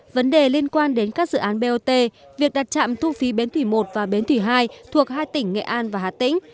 vấn đề liên quan đến các dự án bot việc đặt trạm thu phí bến thủy một và bến thủy hai thuộc hai tỉnh nghệ an và hà tĩnh